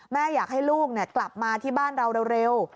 แม่อยากให้ลูกกลับมาที่บ้านเราเร็ว